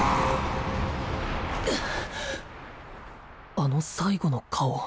あの最後の顔